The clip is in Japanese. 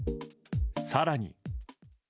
更に。